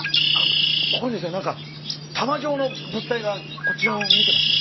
ここにですねなんか玉状の物体がこっち側を見てまして。